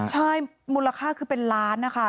ใช่มูลค่าคือเป็นล้านนะคะ